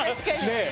ねえ。